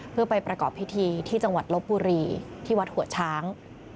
เพื่อไปประกอบพิธีที่จังหวัดลบบุรีที่วัดหัวช้าง